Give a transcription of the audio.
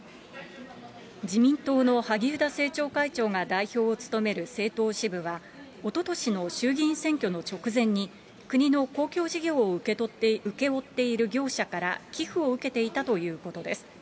自民党の萩生田政調会長が代表を務める政党支部は、おととしの衆議院選挙の直前に、国の公共事業を請け負っている業者から寄付を受けていたということです。